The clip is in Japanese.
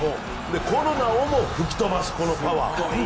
コロナをも吹き飛ばすパワ−。